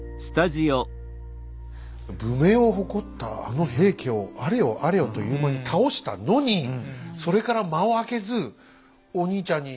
武名を誇ったあの平家をあれよあれよという間に倒したのにそれから間をあけずお兄ちゃんにそんなんされちゃったらさ